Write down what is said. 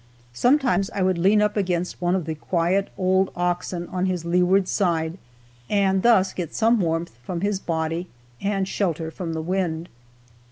Sometimes I would lean up against one of the quiet old oxen on his leeward side, and thus get some warmth from his body and shelter from the wind.